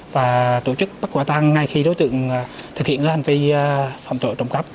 và tổ chức